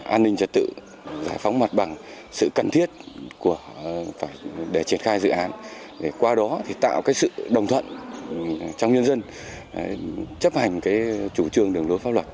an ninh trật tự giải phóng mặt bằng sự cần thiết để triển khai dự án để qua đó tạo sự đồng thuận trong nhân dân chấp hành chủ trương đường lối pháp luật